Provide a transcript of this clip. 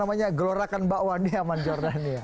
oke mari kita gelorakan bakwan di aman jordania